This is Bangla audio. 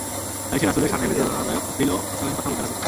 তাই সে রাসূলের শানে বেদনাদায়ক, অশ্লীল ও অশালীন কথা বলতে লাগলো।